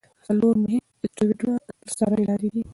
څلور مهم اسټروېډونه تر څارنې لاندې دي.